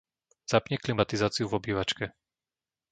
Zapni klimatizáciu v obývačke.